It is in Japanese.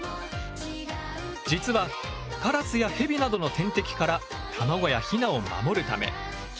実はカラスやヘビなどの天敵から卵やヒナを守るため。